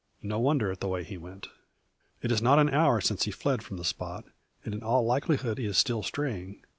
No wonder at the way he went. It is not an hour since he fled from the spot, and in all likelihood he is still straying.